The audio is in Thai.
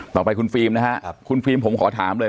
ต่อไปคุณฟิล์มนะฮะคุณฟิล์มผมขอถามเลย